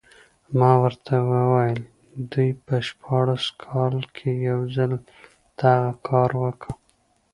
ما ورته وویل دوی په شپاړس کال کې یو ځل دغه کار وکړ.